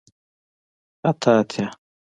اته اتیا